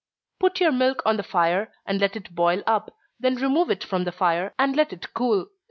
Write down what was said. _ Put your milk on the fire, and let it boil up then remove it from the fire, and let it cool.